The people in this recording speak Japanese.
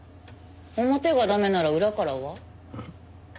表が駄目なら裏からは？